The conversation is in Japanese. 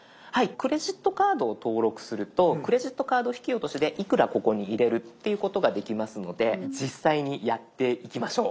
クレジットカードを登録するとクレジットカード引き落としでいくらここに入れるっていうことができますので実際にやっていきましょう。